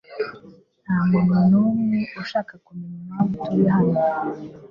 Ntamuntu numwe ushaka kumenya impamvu turi hano